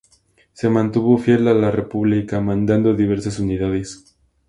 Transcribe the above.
Se mantuvo fiel a la República, mandando diversas unidades.